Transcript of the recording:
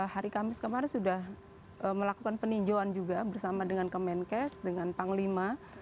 hari kamis kemarin sudah melakukan peninjauan juga bersama dengan kemenkes dengan panglima